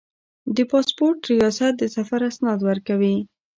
د پاسپورت ریاست د سفر اسناد ورکوي